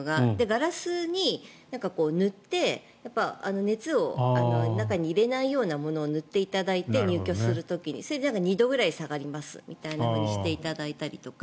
ガラスに塗って熱を中に入れないようなものを入居する時に塗っていただいてそれで２度ぐらい下がりますみたいにしていただいたりとか。